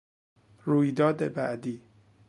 رویداد بعدی